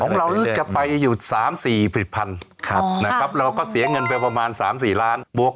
ของเรานี่จะไปอยู่๓๔ผลิตภัณฑ์นะครับเราก็เสียเงินไปประมาณ๓๔ล้านบวก